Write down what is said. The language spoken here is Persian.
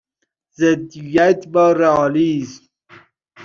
ضدیت با رئالیسم